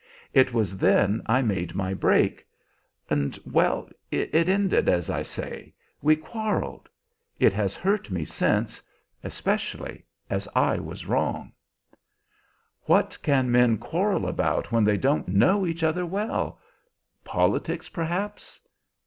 It was then I made my break; and well, it ended as I say: we quarreled. It has hurt me since, especially as I was wrong." "What can men quarrel about when they don't know each other well? Politics, perhaps?"